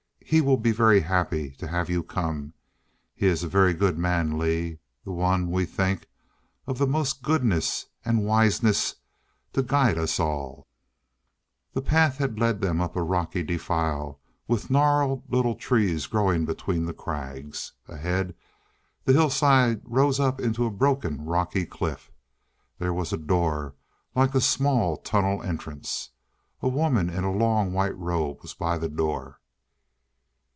"He will be very happy to have you come. He is a very good man, Lee. The one, we think, of the most goodness and wiseness, to guide us all " The path had led them up a rocky defile, with gnarled little trees growing between the crags. Ahead, the hillside rose up in a broken, rocky cliff. There was a door, like a small tunnel entrance. A woman in a long white robe was by the door.